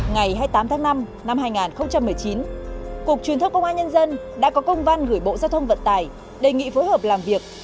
ngày hai mươi tám tháng năm năm hai nghìn một mươi chín cục truyền thông công an nhân dân đã có công văn gửi bộ giao thông vận tải đề nghị phối hợp làm việc